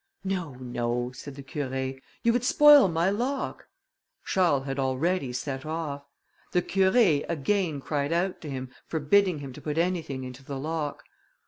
"No! no!" said the Curé, "you would spoil my lock:" Charles had already set off. The Curé again cried out to him, forbidding him to put anything into the lock.